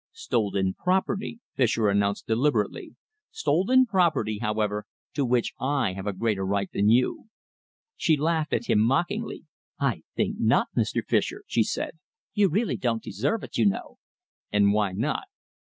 "Stolen property," Fischer announced deliberately "stolen property, however, to which I have a greater right than you." She laughed at him mockingly. "I think not, Mr. Fischer," she said. "You really don't deserve it, you know." "And why not?"